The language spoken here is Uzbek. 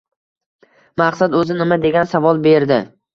Maqsad o’zi nima degan savol berdi.